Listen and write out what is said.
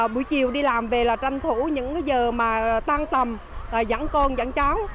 buổi chiều đi làm về là tranh thủ những giờ mà tan tầm dẫn con dặn cháu